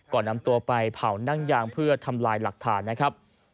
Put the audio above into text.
ก่อนนำตัวไปเผานั่งยางเพื่อทำลายหลักฐานนะครับ